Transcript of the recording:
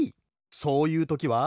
そういうときは。